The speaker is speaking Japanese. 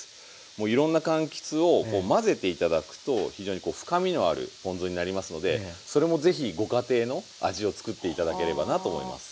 もういろんなかんきつを混ぜて頂くと非常にこう深みのあるポン酢になりますのでそれも是非ご家庭の味を作って頂ければなと思います